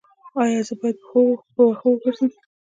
ایا زه باید په وښو وګرځم؟